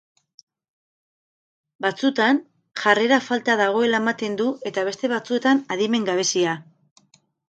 Batzutan jarrera falta dagoela ematen du eta beste batzuetan adimen gabezia.